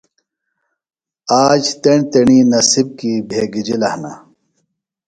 آج تیݨ تیݨی نصِب کیۡ بھگِجلَہ ہِنہ۔